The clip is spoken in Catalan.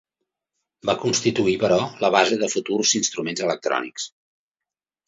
Va constituir, però, la base de futurs instruments electrònics.